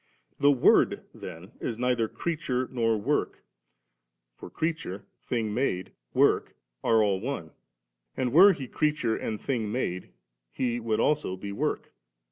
71. The Word then is neither creature nor work ; for creature, thing made, work, are all one ; and were He creature and thing made, He would also be work.